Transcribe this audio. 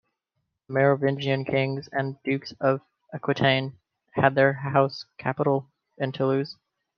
The Merovingian kings and dukes of Aquitaine had their capital at Toulouse.